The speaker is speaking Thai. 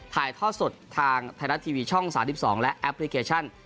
ถ่ายทอดสดทางไทยรัฐทีวีช่อง๓๒และแอปพลิเคชัน